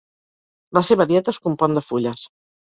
La seva dieta es compon de fulles.